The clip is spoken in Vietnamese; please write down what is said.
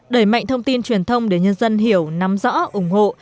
đẩy mạnh thông tin truyền thông để nhân dân hiểu nắm rõ ủng hộ